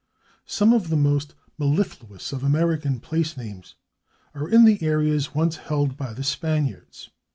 Some of the most mellifluous of American place names are in the areas once held by the Spaniards.